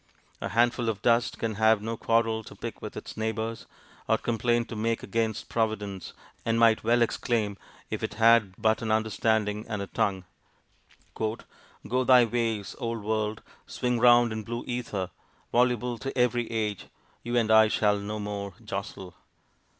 A handful of dust can have no quarrel to pick with its neighbours, or complaint to make against Providence, and might well exclaim, if it had but an understanding and a tongue, 'Go thy ways, old world, swing round in blue ether, voluble to every age, you and I shall no more jostle!'